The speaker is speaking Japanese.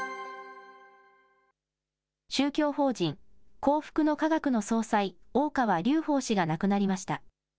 宗教法人幸福の科学の総裁、大川隆法氏が亡くなりました。